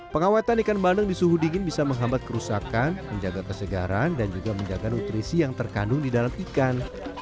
pengawetan ikan bandeng di suhu dingin bisa menghambat kerusakan menjaga kesegaran dan juga menjaga nutrisi yang terkandung di dalam ikan